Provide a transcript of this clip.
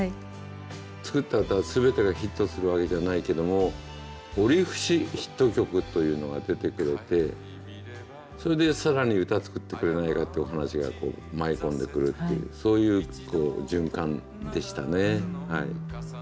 作った歌全てがヒットするわけじゃないけども折節ヒット曲というのが出てくれてそれで更に歌作ってくれないかってお話が舞い込んでくるっていうそういう循環でしたね。